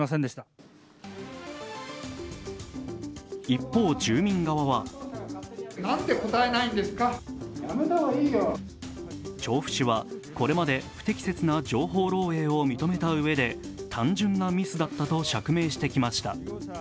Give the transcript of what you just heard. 一方、住民側は調布市はこれまで不適切な情報漏えいを認めたうえで単純なミスだったと釈明してきました。